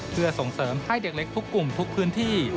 เพื่อส่งเสริมให้เด็กเล็กทุกกลุ่มทุกพื้นที่